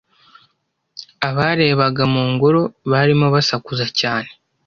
Abarebaga mu ngoro barimo basakuza cyane.